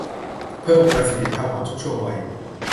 เพิ่มประสิทธิภาพของทุกช่วงวัย